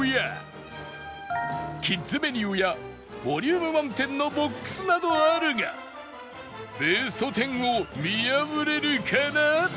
キッズメニューやボリューム満点のボックスなどあるがベスト１０を見破れるかな？